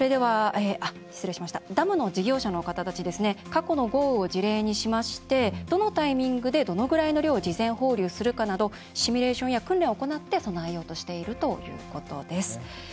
ダムの事業者の方たち過去の豪雨を事例にしましてどのタイミングでどのぐらいの量を事前放流するかなどシミュレーションや訓練を行って備えようとしているということです。